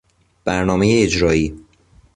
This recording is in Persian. برنامهی اجرایی